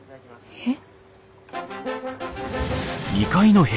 えっ！